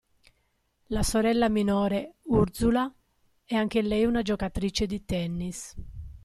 La sorella minore, Urszula, è anche lei una giocatrice di tennis.